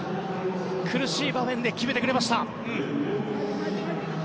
厳しい場面で決めてくれました。